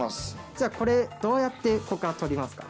じゃあこれどうやってここから取りますか？